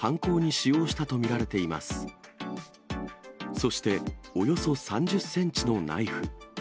そして、およそ３０センチのナイフ。